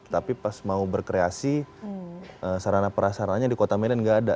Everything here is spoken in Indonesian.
tapi pas mau berkreasi sarana perasaranya di kota medan nggak ada